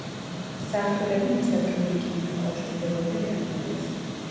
სართულები მისადგმელი კიბით უკავშირდებოდნენ ერთმანეთს.